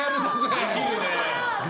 できるね。